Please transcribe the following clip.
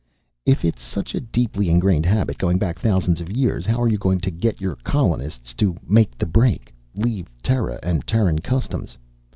"If it's such a deeply ingrained habit, going back thousands of years, how are you going to get your colonists to make the break, leave Terra and Terran customs?